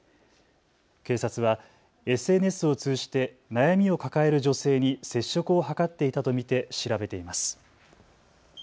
警察はＳＮＳを通じて悩みを抱える女性に接触を図っていたと見て調べています。